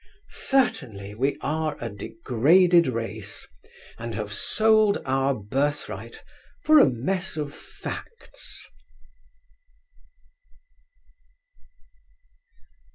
Certainly we are a degraded race, and have sold our birthright for a mess of facts.